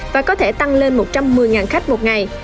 và có thể tăng lên một trăm một mươi khách một ngày